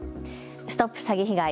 ＳＴＯＰ詐欺被害！